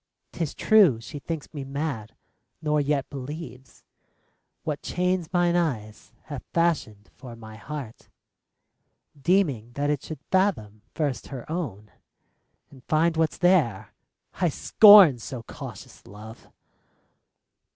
'T is true she thinks me mad, nor yet believes What chains mine eyes have fashioned for my heart, Deeming that it should fathom first her own And find what 's there : I scorn so cautious love